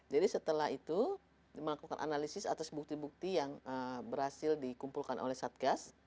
jadi setelah itu melakukan analisis atas bukti bukti yang berhasil dikumpulkan oleh satgas